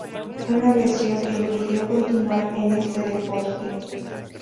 Una lesión le impidió continuar en este deporte.